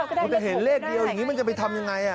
หัวแต่เห็นเลขเดียวอย่างนี้มันจะไปทำอย่างไร